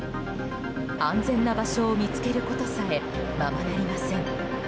安全な場所を見つけることさえままなりません。